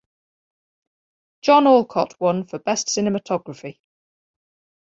John Alcott won for Best Cinematography.